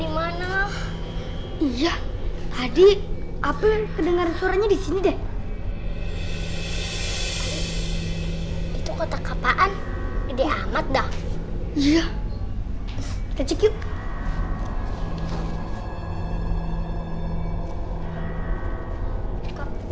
di mana iya tadi apple kedengaran suaranya di sini deh itu kotak apaan ide amat dah iya kecil